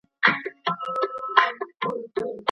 واکسیناتوران څنګه کور په کور ګرځي؟